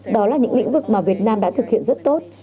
đó là những lĩnh vực mà việt nam đã thực hiện rất tốt